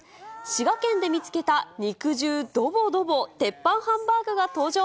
滋賀県で見つけた肉汁どぼどぼ、鉄板ハンバーグが登場。